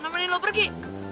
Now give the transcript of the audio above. ke mana you pergi